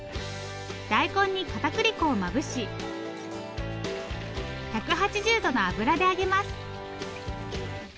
大根に片栗粉をまぶし１８０度の油で揚げます。